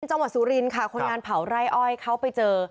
จังหวัดสุรินทร์ค่ะคนงานเผาไร่อ้อยเขาไปเจอ